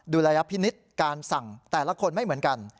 ระยะพินิษฐ์การสั่งแต่ละคนไม่เหมือนกัน